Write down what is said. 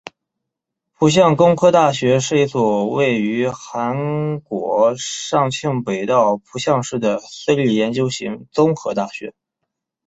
浦项工科大学是一所位于韩国庆尚北道浦项市的私立研究型综合大学。